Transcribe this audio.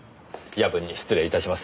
夜分に失礼いたします。